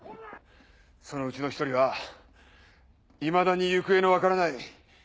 そのうちの１人はいまだに行方の分からない